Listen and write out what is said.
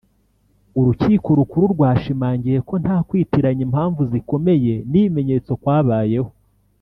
Urukiko Rukuru rwashimangiye ko nta kwitiranya impamvu zikomeye n’ibimenyetso kwabayeho